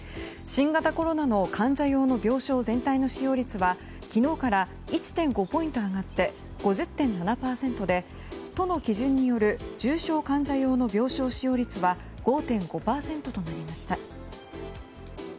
新型コロナの患者用の病床全体の使用率は昨日から１．５ポイント上がって５０．７％で都の基準による重症患者用の病床使用率は５．５％となりました。